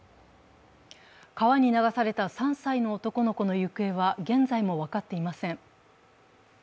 川に流された３歳の男の子の行方は現在も分かっていません。